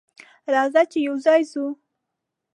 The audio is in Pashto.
راځه چې یوځای ځو.